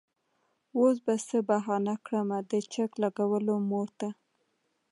وس به څۀ بهانه کړمه د چک لګولو مور ته